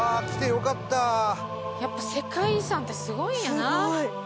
やっぱ世界遺産ってすごいんやな。